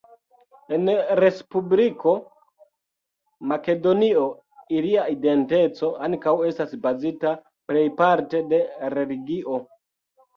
En Respubliko Makedonio ilia identeco ankaŭ estas bazita plejparte la religio.